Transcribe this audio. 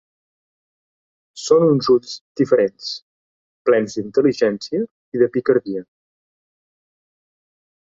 Són uns ulls diferents, plens d'intel·ligència i de picardia.